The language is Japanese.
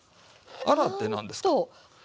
「あら」って何です？